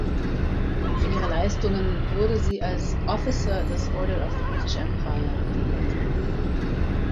Für ihre Leistungen wurde sie als "Officer des Order of the British Empire" geehrt.